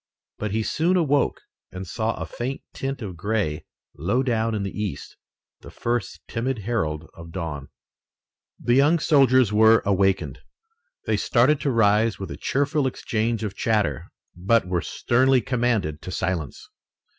But he soon awoke and saw a faint tint of gray low down in the east, the first timid herald of dawn. The young soldiers were awakened. They started to rise with a cheerful exchange of chatter, but were sternly commanded to silence.